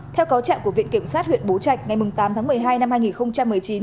theo cáo trạng của viện kiểm sát huyện bố trạch ngày tám tháng một mươi hai năm hai nghìn một mươi chín